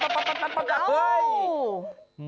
โอ้โห